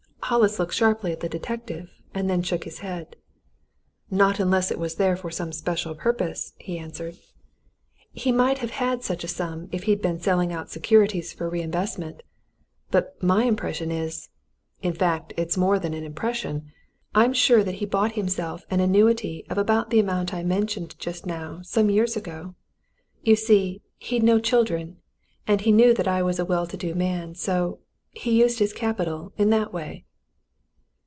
Hollis looked sharply at the detective and then shook his head. "Not unless it was for some special purpose," he answered. "He might have such a sum if he'd been selling out securities for re investment. But my impression is in fact, it's more than an impression I'm sure that he bought himself an annuity of about the amount I mentioned just now, some years ago. You see, he'd no children, and he knew that I was a well to do man, so he used his capital in that a way."